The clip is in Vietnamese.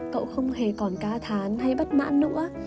cậu không hề còn ca thán hay bất mãn nữa